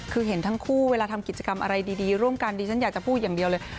คือเห็นทั้งคู่เวลาทำกิจกรรมอะไรดีร่วมกันดิฉันอยากจะพูดอย่างเดียวเลย